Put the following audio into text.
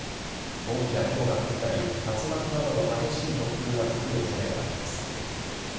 大きなひょうが降ったり竜巻などの激しい突風が吹く恐れがあります。